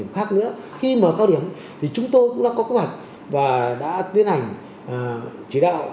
khi mở cao điểm thì chúng tôi cũng đã có cố gắng và đã tiến hành chỉ đạo